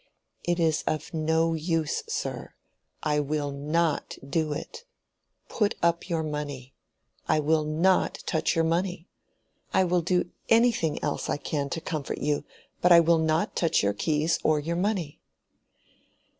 "It is of no use, sir. I will not do it. Put up your money. I will not touch your money. I will do anything else I can to comfort you; but I will not touch your keys or your money."